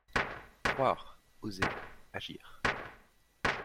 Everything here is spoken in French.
Croire, oser, agir